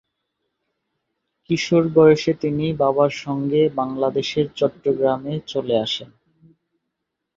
কিশোর বয়সে তিনি বাবার সঙ্গে বাংলাদেশের চট্টগ্রামে চলে আসেন।